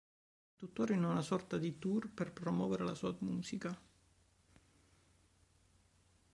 È tuttora in una sorta di tour per promuovere la sua musica.